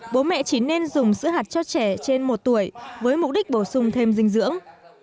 bố mẹ chỉ nên dùng sữa hạt cho trẻ trên một tuổi với mục đích bổ sung thêm dinh dưỡng